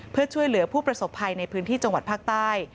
เพื่อช่วยเหลือผู้ประสบภัยในพื้นที่จังหวัดภาคใต้